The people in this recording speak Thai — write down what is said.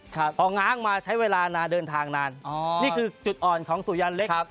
พอง้างมาใช้เวลานานเดินทางนานอ๋อนี่คือจุดอ่อนของสุยันเล็กครับ